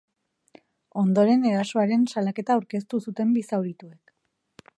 Ondoren erasoaren salaketa aurkeztu zuten bi zaurituek.